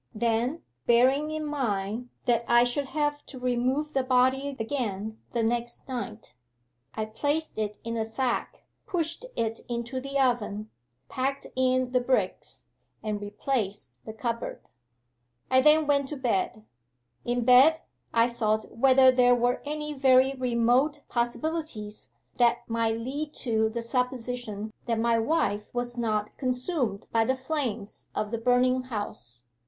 Then, bearing in mind that I should have to remove the body again the next night, I placed it in a sack, pushed it into the oven, packed in the bricks, and replaced the cupboard. 'I then went to bed. In bed, I thought whether there were any very remote possibilities that might lead to the supposition that my wife was not consumed by the flames of the burning house.